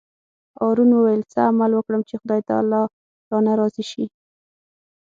هارون وویل: څه عمل وکړم چې خدای تعالی رانه راضي شي.